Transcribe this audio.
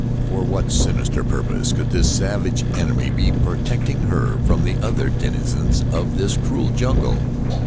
For what sinister purpose could this savage enemy be protecting her from the other denizens of his cruel jungle?